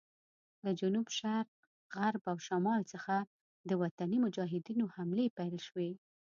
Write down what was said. له جنوب شرق، غرب او شمال څخه د وطني مجاهدینو حملې پیل شوې.